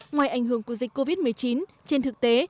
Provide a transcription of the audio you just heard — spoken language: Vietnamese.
ngoài ảnh hưởng của dịch covid một mươi chín trên thực tế